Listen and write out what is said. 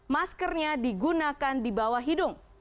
maskernya digunakan di bawah hidung